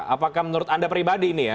apakah menurut anda pribadi ini ya